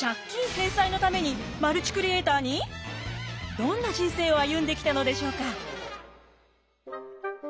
どんな人生を歩んできたのでしょうか？